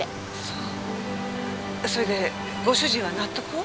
そうそれでご主人は納得を？